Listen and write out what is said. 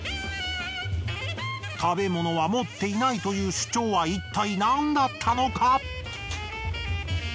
食べ物は持っていないという主張はいったい何だったのか？